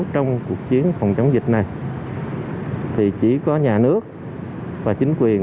trong cuộc chiến phòng chống dịch này thì chỉ có nhà nước và chính quyền